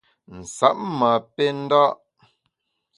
Nsab ma pè nda’.